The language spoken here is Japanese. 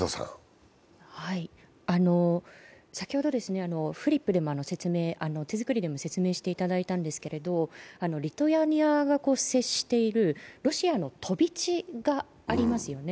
先ほど手作りでも説明していただいたんですけど、リトアニアが接している、ロシアの飛び地がありますよね。